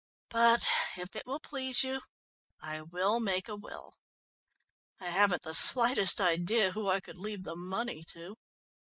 "But if it will please you I will make a will. I haven't the slightest idea who I could leave the money to.